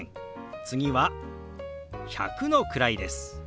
次は１００の位です。